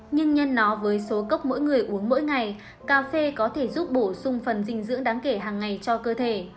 nhưng nhân nó với số cốc mỗi người uống mỗi ngày cà phê có thể giúp bổ sung phần dinh dưỡng đáng kể hàng ngày cho cơ thể